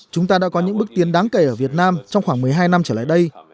chúng ta đã có những bước tiến đáng kể ở việt nam trong khoảng một mươi hai năm trở lại đây